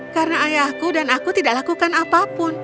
karena ayahku dan aku tidak lakukan apapun